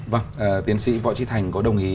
vâng tiến sĩ võ trí thành có đồng ý